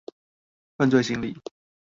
犯罪心理